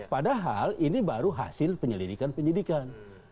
padahal ini baru hasil penyelidikan penyidikan